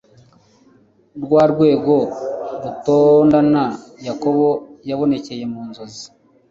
Rwa rwego rutondana Yakobo yaboneye mu nzozi